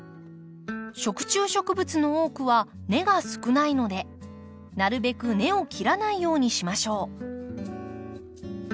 食虫植物の多くは根が少ないのでなるべく根を切らないようにしましょう。